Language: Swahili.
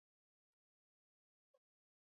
kilimo cha viazi vitamu vyenye rangi ya karoti